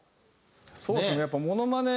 そうですね